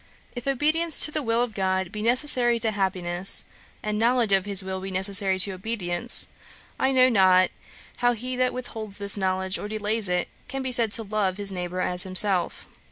If obedience to the will of God be necessary to happiness, and knowledge of his will be necessary to obedience, I know not how he that with holds this knowledge, or delays it, can be said to love his neighbour as himself.